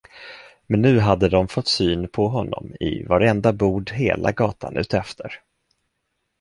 Men nu hade de fått syn på honom i varenda bod hela gatan utefter.